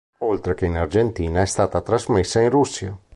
Oltre che in Argentina è stata trasmessa in Russia.